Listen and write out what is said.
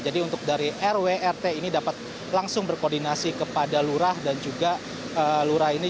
untuk dari rw rt ini dapat langsung berkoordinasi kepada lurah dan juga lurah ini